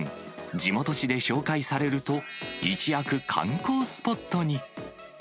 地元紙で紹介されると、一躍、観光スポットに。